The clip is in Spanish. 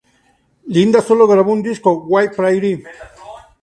Linda sólo grabó un disco: "Wide Prairie".